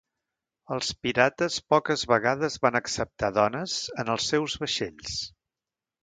Els pirates poques vegades van acceptar dones en els seus vaixells.